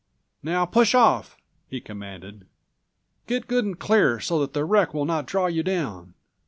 "Now push off!" he commanded. "Get good and clear so that the wreck will not draw you down."